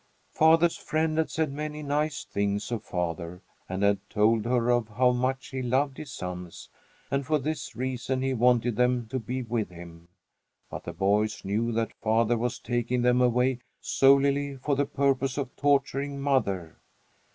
Father's friend had said many nice things of father and had told her of how much he loved his sons, and for this reason he wanted them to be with him. But the boys knew that father was taking them away solely for the purpose of torturing mother.